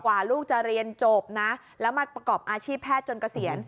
กว่าลูกจะเรียนจบนะแล้วมาประกอบอาชีพแพทย์จนเกษียณ